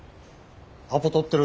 アポ取ってる？